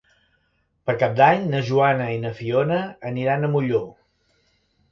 Per Cap d'Any na Joana i na Fiona aniran a Molló.